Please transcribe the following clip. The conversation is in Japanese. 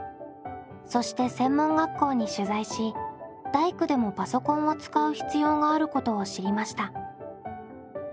そして専門学校に取材し大工でもパソコンを使う必要があることを知りました。